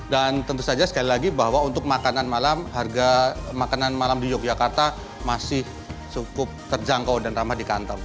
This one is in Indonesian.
dan tentu saja sekali lagi bahwa untuk makanan malam harga makanan malam di yogyakarta masih cukup terjangkau dan ramah di kantong